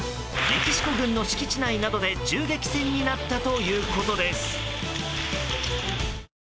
メキシコ軍の敷地内などで銃撃戦になったということです。